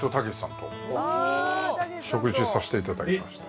食事させていただきました。